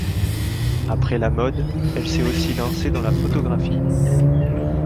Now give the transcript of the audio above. Après la mode, elle s'est aussi lancée dans la photographie.